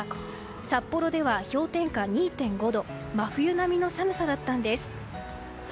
札幌では氷点下２．５度と真冬並みの寒さだったんです。